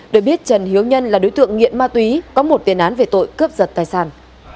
được biết trần hiếu nhân là đối tượng nghiện ma túy có một tiền án về tội cướp giật tài sản